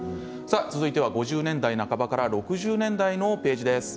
続いて５０年代半ばから６０年代のページです。